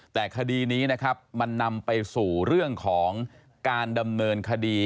แต่คดีนี้นะครับมันนำไปสู่เรื่องของการดำเนินคดี